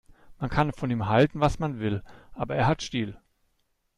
Man kann von ihm halten, was man will, aber er hat Stil.